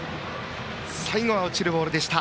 最後は落ちるボールでした。